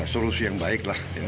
solusi yang baik lah